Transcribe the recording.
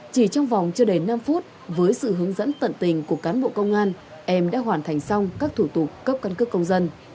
chỉ trong vòng chưa đầy năm phút với sự hướng dẫn tận tình của cán bộ công an em đã hoàn thành xong các thủ tục cấp căn cước công dân